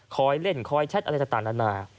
เล่นคอยแชทอะไรต่างนานา